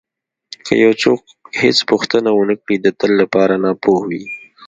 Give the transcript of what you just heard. که یو څوک هېڅ پوښتنه ونه کړي د تل لپاره ناپوه وي.